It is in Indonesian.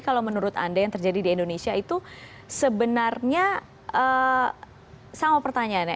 kalau menurut anda yang terjadi di indonesia itu sebenarnya sama pertanyaannya